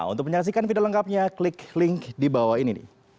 untuk menyaksikan video lengkapnya klik link di bawah ini